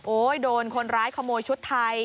โดนคนร้ายขโมยชุดไทย